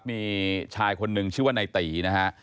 มีชายคนนึงชื่อว่านายตีนะฮะ